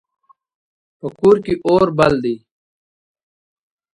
په کور کې اور بل ده